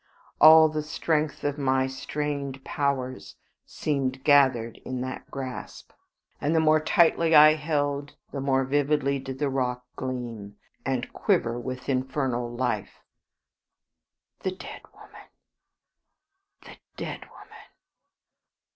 All the strength of my strained powers seemed gathered in that grasp, and the more tightly I held the more vividly did the rock gleam and quiver with infernal life. The dead woman! The dead woman!